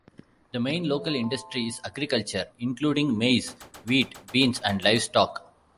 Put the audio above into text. The main local industry is agriculture, including maize, wheat, beans, and livestock.